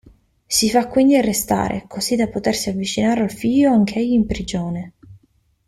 Si fa quindi arrestare, così da potersi avvicinare al figlio anch'egli in prigione.